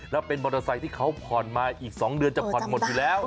แล้วเป็นมอเตอร์ไซค์ที่เขาผ่อนมาอีก๒เดือนจะผ่อนหมดอยู่แล้ว